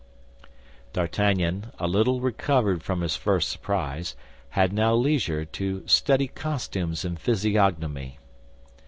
D'Artagnan, a little recovered from his first surprise, had now leisure to study costumes and physiognomy.